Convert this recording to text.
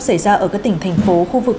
xảy ra ở các tỉnh thành phố khu vực